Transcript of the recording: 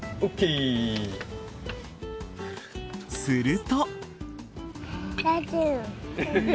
すると。